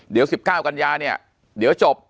เดี๋ยว๑๙กันยาเนี่ยเดี๋ยวจบ